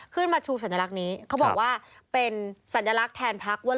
ขึ้นมาชูสัญลักษณ์นี้เขาบอกว่าเป็นสัญลักษณ์แทนพักว่า